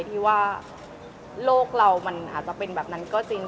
ที่ว่าโลกเรามันอาจจะเป็นแบบนั้นก็จริง